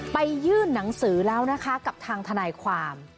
ยื่นหนังสือแล้วนะคะกับทางทนายความ